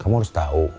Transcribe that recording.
kamu harus tahu